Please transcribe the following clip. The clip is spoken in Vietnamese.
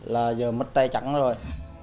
là giờ mất tay chẳng rồi